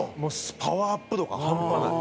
パワーアップ度が半端ない。